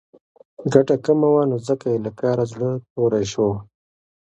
ګټه کمه وه نو ځکه یې له کاره زړه توری شو.